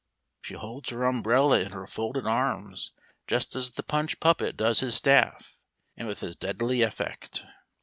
She holds her umbrella in her folded arms just as the Punch puppet does his staff, and with as deadly effect.